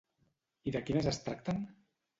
I de quines es tracten?